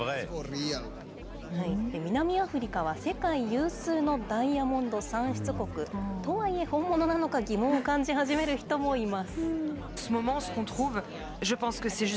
南アフリカは、世界有数のダイヤモンド産出国。とはいえ、本物なのか疑問を感じ始める人もいます。